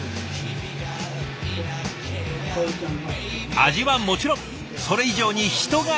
味はもちろんそれ以上に人がいい。